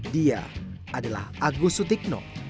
dia adalah agus sutikno